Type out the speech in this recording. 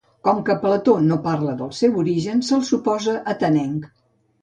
Com que Plató no parla del seu origen se'l suposa atenenc.